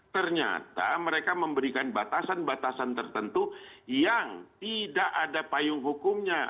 ternyata mereka memberikan batasan batasan tertentu yang tidak ada payung hukumnya